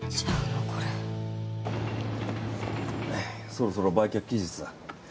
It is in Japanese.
そろそろ売却期日だ。